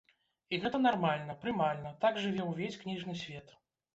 І гэта нармальна, прымальна, так жыве ўвесь кніжны свет.